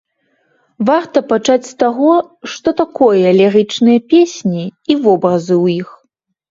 Варта пачаць з таго, што такое лірычныя песні і вобразы ў іх.